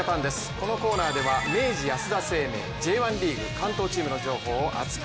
このコーナーでは明治安田生命Ｊ１リーグ関東チームの情報を熱く！